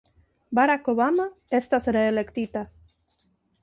Barack Obama estas reelektita.